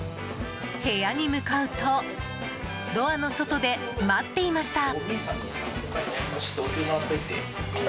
部屋に向かうとドアの外で待っていました。